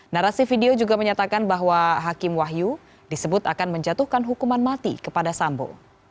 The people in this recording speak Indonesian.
narasi video juga menyatakan bahwa hakim wahyu disebut akan menjatuhkan hukuman mati kepada sambo